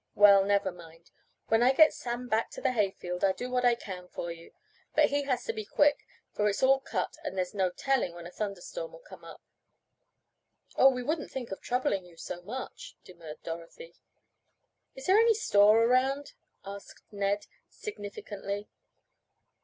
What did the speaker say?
Well, never mind. When I get Sam back to the hayfield I'll do what I can for you. But he has to be quick, for it's all cut and there's no telling when a thunder storm 'll come up." "Oh, we wouldn't think of troubling you so much," demurred Dorothy. "Is there any store around?" asked Ned, significantly.